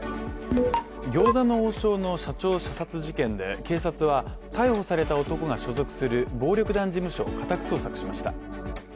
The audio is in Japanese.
餃子の王将の社長射殺事件で警察は、逮捕された男が所属する暴力団事務所を家宅捜索しました。